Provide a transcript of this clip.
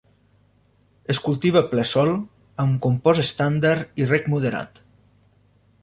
Es cultiva a ple sol, amb compost estàndard i reg moderat.